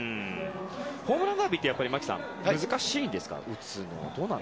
ホームランダービーって牧さん、難しいんですか？